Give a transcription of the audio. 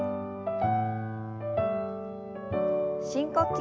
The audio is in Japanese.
深呼吸。